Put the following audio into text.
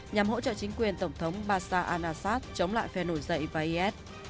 nhằm hỗ trợ chính quyền tổng thống bashar al assad chống lại phe nổi dậy và is